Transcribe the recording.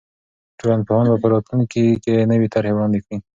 ټولنپوهان به په راتلونکي کې نوې طرحې وړاندې کړي.